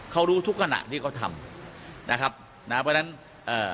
เขารู้ทุกขณะที่เขาทำนะครับนะเพราะฉะนั้นเอ่อ